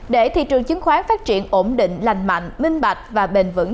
để thị trường chứng khoán phát triển ổn định lành mạnh minh bạch và bền vững